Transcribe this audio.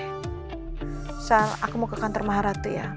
misal aku mau ke kantor maharatu ya